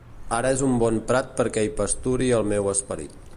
Ara és un bon prat perquè hi pasturi el meu esperit.